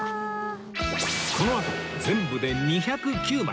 このあと全部で２０９枚